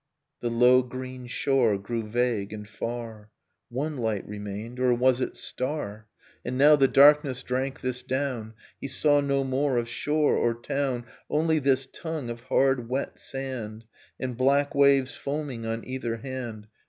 The low green shore grew vague and far, One light remained, — or was it star? — And now the darkness drank this down, He saw no more of shore or town, Only this tongue of hard wet sand And black waves foaming on either hand